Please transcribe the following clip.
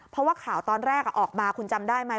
เพราะว่าข่าวตอนแรกออกมาคุณจำได้ไหม